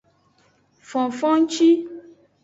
Fonfonci.